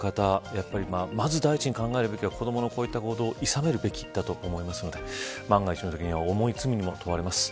やっぱりまず第一に考えるべきは子どものこういったことをいさめるべきだと思いますので万が一のときには重い罪を問われます。